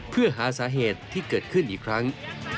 เพื่อหาสาเหตุที่เกิดขึ้นอีกครั้ง